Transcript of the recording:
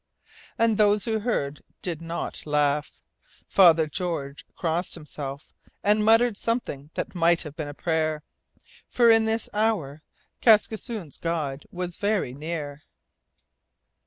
And those who heard did not laugh. Father George crossed himself, and muttered something that might have been a prayer. For in this hour Kaskisoon's God was very near.